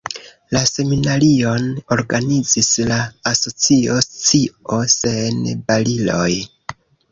La seminarion organizis la asocio Scio Sen Bariloj.